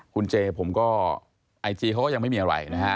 คุณเจผมก็ไอจีเขาก็ยังไม่มีอะไรนะฮะ